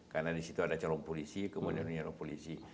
karena di situ ada jenderal polisi kemudian jenderal polisi